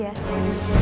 aku juga pengen dia